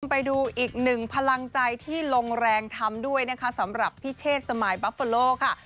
ไปดูอีกหนึ่งพลังใจที่ลงแรงทำด้วยนะคะสำหรับพี่เชษสมายบัฟเฟอร์โลค่ะ